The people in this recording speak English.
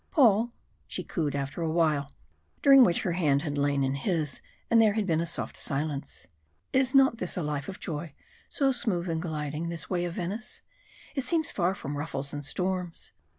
"Paul," she cooed after a while, during which her hand had lain in his and there had been a soft silence, "is not this a life of joy, so smooth and gliding, this way of Venice? It seems far from ruffles and storms.